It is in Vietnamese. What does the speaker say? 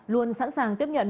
luôn sẵn sàng tiếp nhận